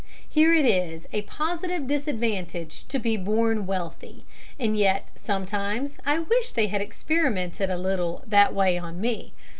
Here it is a positive disadvantage to be born wealthy. And yet sometimes I wish they had experimented a little that way on me.